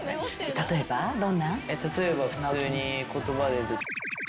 例えば普通に言葉で。